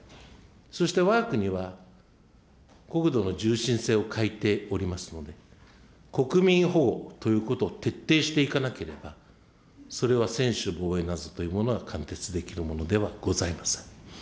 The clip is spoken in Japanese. そしてわが国は、国土のを欠いておりますので、国民保護ということを徹底していかなければ、それは専守防衛なぞというものは貫徹できるものではございません。